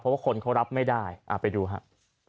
เพราะว่าคนเขารับไม่ได้ไปดูครับ